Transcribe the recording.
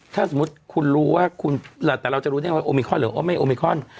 ถ้าสมมุติคุณรู้ว่าคุณแต่เราจะรู้ได้ว่าโอมิคอนหรือโอไม่โอมิคอน